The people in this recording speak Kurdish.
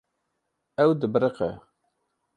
Ew dibiriqe.